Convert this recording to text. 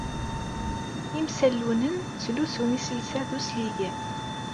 Imsallunen ttlusun iselsa d usligen.